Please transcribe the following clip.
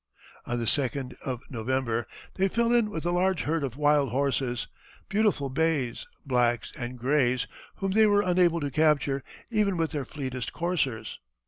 On the 2d of November, they fell in with a large herd of wild horses, beautiful bays, blacks, and grays, whom they were unable to capture even with their fleetest coursers.